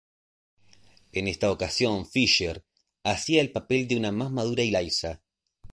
En esta ocasión Fischer hacía el papel de una más Madura Eliza.